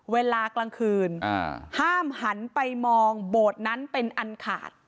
เวลากลางคืนห้ามหันไปมองโบสถ์นั้นเป็นอันขาด